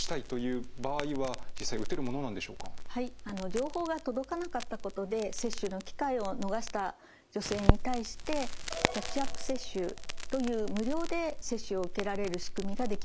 情報が届かなかったことで接種の機会を逃した女性に対してキャッチアップ接種という無料で接種を受けられる仕組みができました。